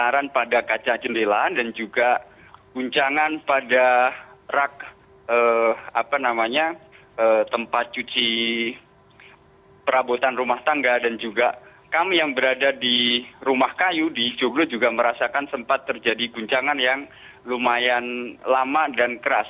keran pada kaca jendela dan juga guncangan pada rak tempat cuci perabotan rumah tangga dan juga kami yang berada di rumah kayu di joglo juga merasakan sempat terjadi guncangan yang lumayan lama dan keras